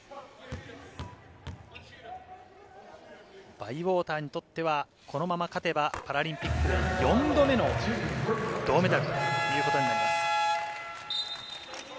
バイウォーターにとっては、このまま勝てばパラリンピック４度目の銅メダルということになります。